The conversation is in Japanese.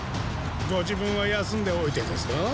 ご自分は休んでおいてですかー？